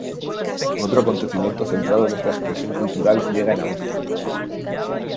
Otro acontecimiento centrado en esta expresión cultural llega en agosto.